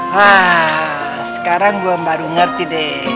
hah sekarang gue baru ngerti deh